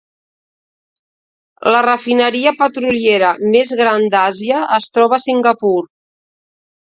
La refineria petroliera més gran d'Àsia es troba a Singapur.